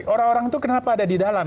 orang orang itu kenapa ada di dalam